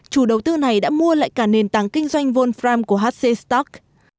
chủ đầu tư này đã mua lại cả nền tảng kinh doanh volfram của hc stock